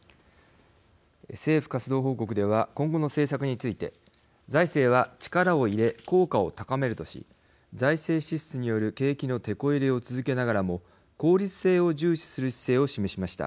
政府活動報告では今後の政策について財政は力を入れ効果を高めるとし財政支出による景気のてこ入れを続けながらも、効率性を重視する姿勢を示しました。